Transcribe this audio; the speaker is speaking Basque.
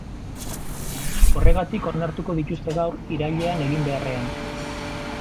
Horregatik onartuko dituzte gaur, irailean egin beharrean.